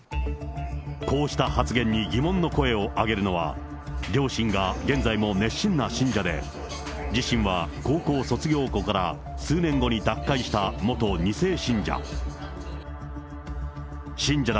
こうした発言に疑問の声を上げるのは、両親が現在も熱心な信者で、自身は高校卒業後から数年後に脱会した元２世信者。